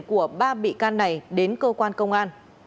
của ba bị can này đến cơ quan công an